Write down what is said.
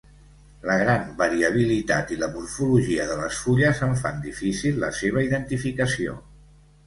La gran variabilitat i la morfologia de les fulles en fan difícil la seva identificació.